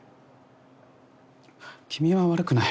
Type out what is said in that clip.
君は悪くない。